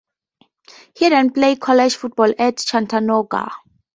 He then played college football at Chattanooga.